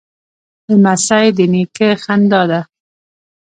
لمسی د نیکه خندا ده.